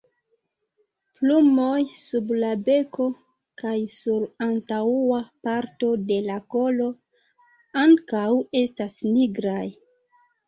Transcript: Plumoj sub la beko kaj sur antaŭa parto de la kolo ankaŭ estas nigraj.